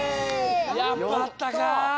やっぱあったか。